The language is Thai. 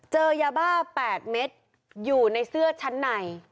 เจอยาบ้า๘เม็ดอยู่ในเสื้อชั้นใน